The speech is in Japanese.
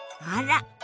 あら。